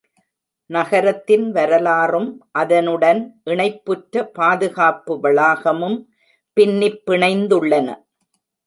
நகரத்தின் வரலாறும் அதனுடன் இணைப்புற்ற பாதுகாப்பு வளாகமும் பின்னிப் பிணைந்துள்ளன.